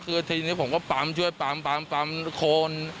คือทีนี้ผมก็ปล่ำช่วยปล่ำปล่ำปล่ำโคน